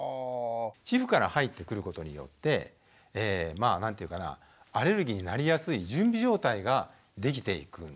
皮膚から入ってくることによってまあ何ていうかなアレルギーになりやすい準備状態ができていくんですね。